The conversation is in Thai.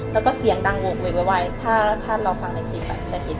แล้วก็เสียงดังโหกเวกไวบายถ้าถ้าเราฟังแบบเห็น